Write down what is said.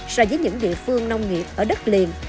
so với những địa phương nông nghiệp ở đất liền